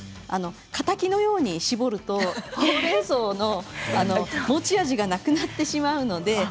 敵のように絞るとほうれんそうの持ち味がなくなってしまうので。